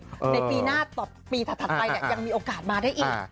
ในปีหน้าต่อปีถัดไปยังมีโอกาสมาได้อีก